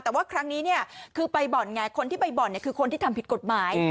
แต่ว่าครั้งนี้เนี่ยคือไปบ่อนไงคนที่ไปบ่อนคือคนที่ทำผิดกฎหมาย